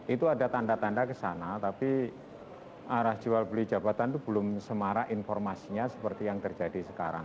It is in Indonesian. itu ada tanda tanda kesana tapi arah jual beli jabatan itu belum semarak informasinya seperti yang terjadi sekarang